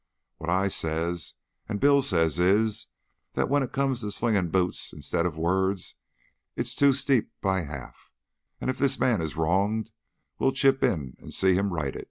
What I says and Bill says is, that when it comes to slingin' boots instead o' words it's too steep by half, an' if this man's wronged we'll chip in an' see him righted."